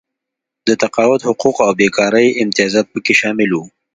د تقاعد حقوق او بېکارۍ امتیازات پکې شامل وو.